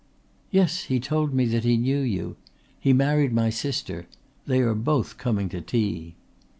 "Yes, he told me that he knew you. He married my sister. They are both coming to tea."